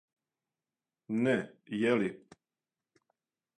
Не, је ли?